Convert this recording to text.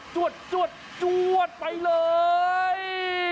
๑๒จวดจวดจวดไปเลย